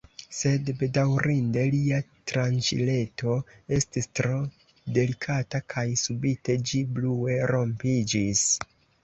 Sed bedaŭrinde lia tranĉileto estis tro delikata kaj subite ĝi brue rompiĝis.